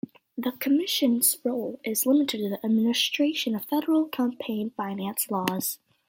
The Commission's role is limited to the administration of federal campaign finance laws.